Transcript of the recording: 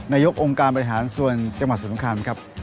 นายกองค์การบริหารส่วนจังหวัดสงครามครับ